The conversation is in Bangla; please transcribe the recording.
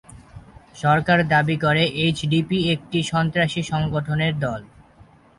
সরকার দাবি করে এইচডিপি একটি "সন্ত্রাসী সংগঠনের দল"।